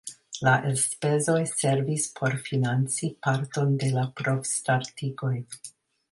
La elspezoj servis por financi parton de la provstartigoj.